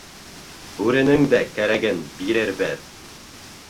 — Бүренең дә кәрәген бирербеҙ!